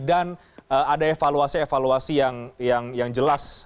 dan ada evaluasi evaluasi yang jelas